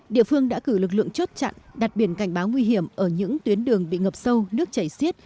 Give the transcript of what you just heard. địa phương đã cử lực lượng chốt chặn đặt biển cảnh báo nguy hiểm ở những tuyến đường bị ngập sâu nước chảy xiết